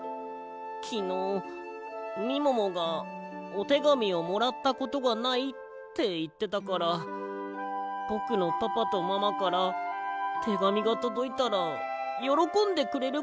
きのうみももが「おてがみをもらったことがない」っていってたからぼくのパパとママからてがみがとどいたらよろこんでくれるかなっておもって